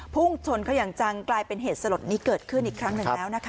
พุ่งชนเขาอย่างจังกลายเป็นเหตุสลดนี้เกิดขึ้นอีกครั้งหนึ่งแล้วนะคะ